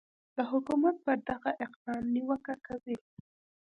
د حکومت پر دغه اقدام نیوکه کوي